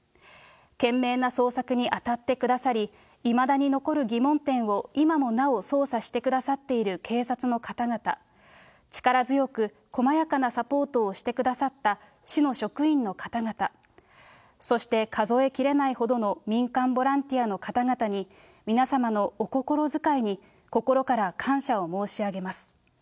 懸命な捜索に当たってくださり、いまだに残る疑問点を、今もなお捜査してくださっている警察の方々、力強く細やかなサポートをしてくださった市の職員の方々、そして数えきれないほどの民間ボランティアの方々に、皆様にお心遣いに心から感謝を申し上げます。